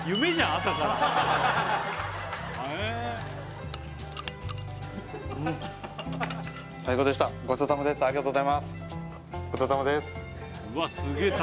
朝から最高でしたありがとうございます